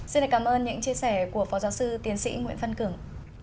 xin cảm ơn những chia sẻ của phó giáo sư tiến sĩ nguyễn phân cửng